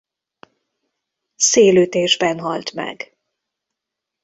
Szélütésben halt meg.